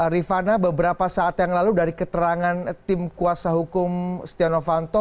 rifana beberapa saat yang lalu dari keterangan tim kuasa hukum setia novanto